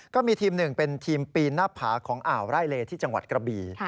ก็มีทีมหนึ่งเป็นทีมปีนหน้าผาของอ่าวไร่เลที่จังหวัดกระบี